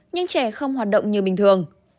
nhưng trẻ không hoạt động như bình thường